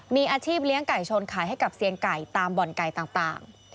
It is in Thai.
มีอาชีพเลี้ยงไก่ชนขายให้กับเซียนไก่ตามบ่อนไก่ต่าง